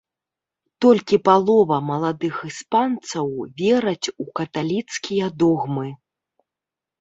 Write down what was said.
Толькі палова маладых іспанцаў вераць у каталіцкія догмы.